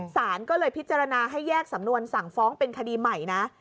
สารก็เลยพิจารณาให้แยกสำนวนสั่งฟ้องเป็นคดีใหม่นะ